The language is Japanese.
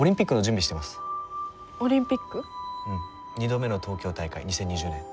２度目の東京大会２０２０年。